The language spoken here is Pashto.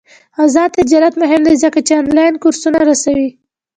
آزاد تجارت مهم دی ځکه چې آنلاین کورسونه رسوي.